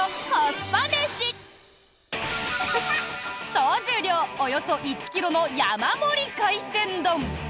総重量およそ１ｋｇの山盛り海鮮丼。